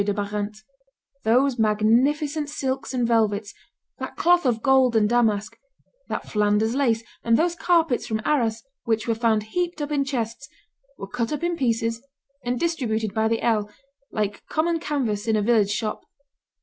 de Barante. Those magnificent silks and velvets, that cloth of gold and damask, that Flanders lace, and those carpets from Arras which were found heaped up in chests, were cut in pieces and distributed by the ell, like common canvas in a village shop.